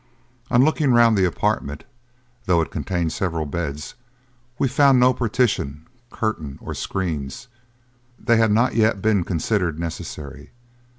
On looking round the apartment, though it contained several beds, we found no partition, curtain, or screens; they had not yet been considered necessary.